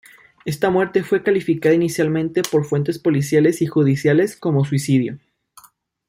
Esta muerte fue calificada inicialmente por fuentes policiales y judiciales como suicidio.